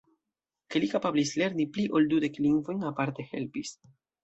Ke li kapablis lerni pli ol dudek lingvojn aparte helpis.